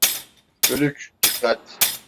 Bölük, dikkat!